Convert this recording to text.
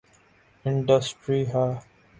Industry ہے۔